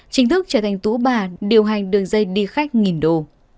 chính thức trở thành tú bà điều hành đường dây đi khách nghìn đồ